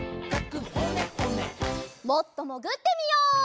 もっともぐってみよう。